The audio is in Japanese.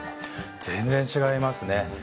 全然違いますね。